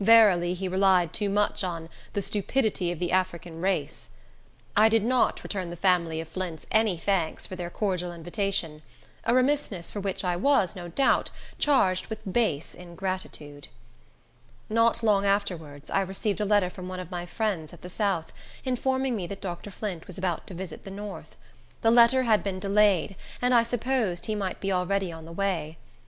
Verily, he relied too much on "the stupidity of the African race." I did not return the family of Flints any thanks for their cordial invitation—a remissness for which I was, no doubt, charged with base ingratitude. Not long afterwards I received a letter from one of my friends at the south, informing me that Dr. Flint was about to visit the north. The letter had been delayed, and I supposed he might be already on the way.